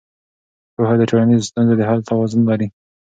پوهه د ټولنیزو ستونزو د حل توان لري.